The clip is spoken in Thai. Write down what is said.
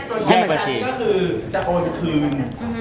ก็คือจะโอนคืน